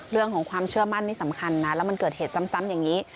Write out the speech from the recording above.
เรื่องของความเชื่อมั่นนี่สำคัญนะแล้วมันเกิดเหตุซ้ำอย่างนี้